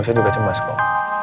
saya juga cemas kok